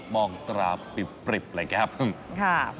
มองตราปริบอะไรแบบนี้ครับ